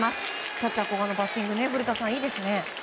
キャッチャー古賀のバッティングいいですね。